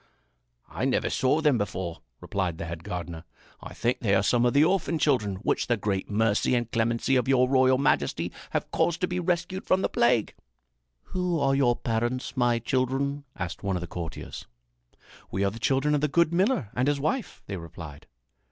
"I never saw them before," replied the head gardener. "I think they are some of the orphan children which the great mercy and clemency of your royal majesty have caused to be rescued from the plague." "Who are your parents, my children?" asked one of the courtiers. "We are the children of the good miller and his wife," they replied.